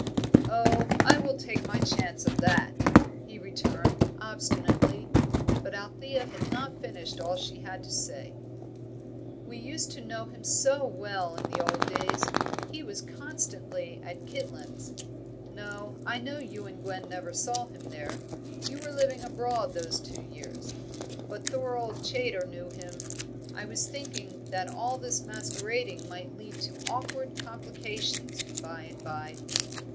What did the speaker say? "Oh, I will take my chance of that," he returned, obstinately. But Althea had not finished all she had to say. "We used to know him so well in the old days; he was constantly at Kitlands. No, I know you and Gwen never saw him there. You were living abroad those two years. But Thorold Chaytor knew him. I was thinking that all this masquerading might lead to awkward complications by and by."